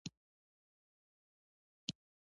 پلان کې هر څه ته ځای ورکړل شوی و.